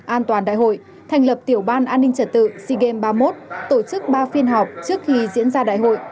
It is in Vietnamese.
an toàn đại hội thành lập tiểu ban an ninh trật tự sea games ba mươi một tổ chức ba phiên họp trước khi diễn ra đại hội